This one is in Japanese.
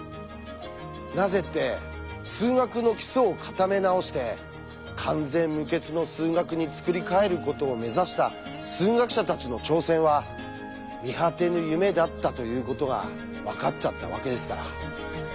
なぜって数学の基礎を固め直して完全無欠の数学に作り替えることを目指した数学者たちの挑戦は見果てぬ夢だったということが分かっちゃったわけですから。